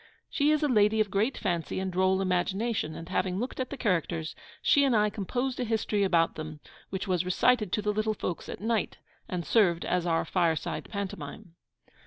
She is a lady of great fancy and droll imagination, and having looked at the characters, she and I composed a history about them, which was recited to the little folks at night, and served as our FIRESIDE PANTOMIME.